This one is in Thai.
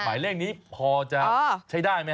หมายเลขนี้พอจะใช้ได้ไหม